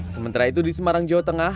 sementara itu di semarang jawa tengah